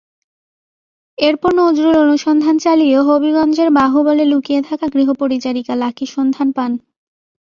এরপর নজরুল অনুসন্ধান চালিয়ে হবিগঞ্জের বাহুবলে লুকিয়ে থাকা গৃহপরিচারিকা লাকীর সন্ধান পান।